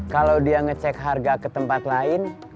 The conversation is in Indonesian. kalau dia ngecek harga ke tempat lain